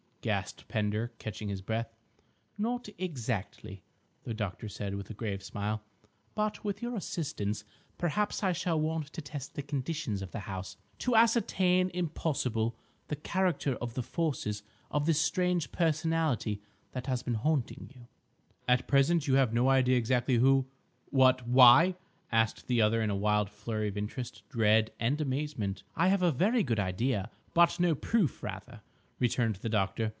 gasped Pender, catching his breath. "Not exactly," the doctor said, with a grave smile, "but with your assistance, perhaps. I shall want to test the conditions of the house—to ascertain, impossible, the character of the forces, of this strange personality that has been haunting you—" "At present you have no idea exactly who—what—why—" asked the other in a wild flurry of interest, dread and amazement. "I have a very good idea, but no proof rather," returned the doctor.